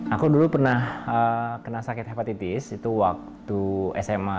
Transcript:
aku dulu pernah kena sakit hepatitis itu waktu sma